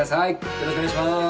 よろしくお願いします。